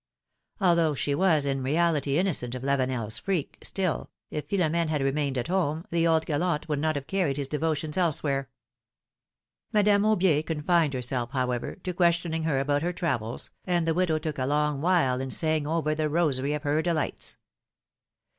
Although she was in reality innocent of LaveneFs freak, still, if Philom^ne had remained at home, the old gallant would not have carried his devotions elsewhere, Madame Aubier confined herself, however, to question ing her about her travels, and the widow took a long while in saying over the rosary of her delights.